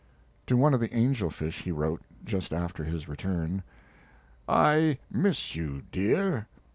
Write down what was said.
To one of the angel fish he wrote, just after his return: I miss you, dear.